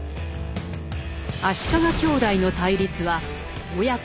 足利兄弟の対立は親子の争い